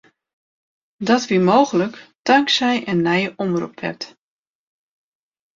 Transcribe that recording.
Dat wie mooglik tanksij in nije omropwet.